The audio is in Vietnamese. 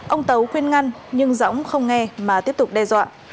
ông tấu khuyên ngăn nhưng dõng không nghe mà tiếp tục đe dọa